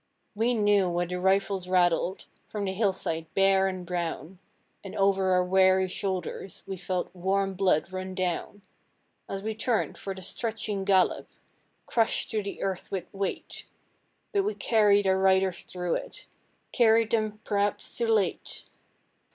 'We knew when the rifles rattled From the hillside bare and brown, And over our weary shoulders We felt warm blood run down, 'As we turned for the stretching gallop, Crushed to the earth with weight; But we carried our riders through it Carried them p'raps too late.